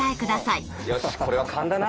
よしこれは勘だな。